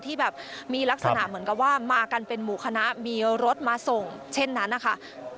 ที่แบบมีลักษณะเหมือนกับว่ามากันเป็นหมู่คณะมีรถมาส่งเช่นนั้นนะคะ